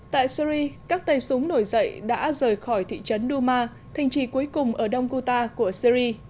tại syri các tay súng nổi dậy đã rời khỏi thị trấn douma thanh trì cuối cùng ở đông kuta của syri